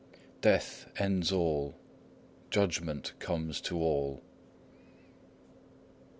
"Death ends all; judgment comes to all."